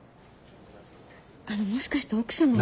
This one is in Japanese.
あのもしかして奥様を。